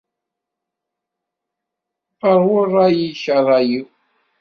Ṛwu ṛṛay-ik, a ṛṛay-iw.